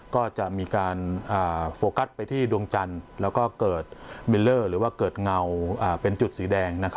ก็จะมีการโฟกัสไปที่ดวงจันทร์แล้วก็เกิดมิลเลอร์หรือว่าเกิดเงาเป็นจุดสีแดง